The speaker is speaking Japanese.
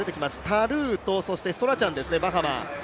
タルーとストラチャンですね。